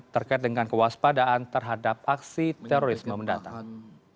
terkait dengan kewaspadaan terhadap aksi terorisme mendatang